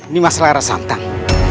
nimas rara santang